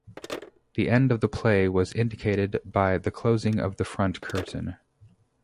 The end of the play was indicated by the closing of the front curtain.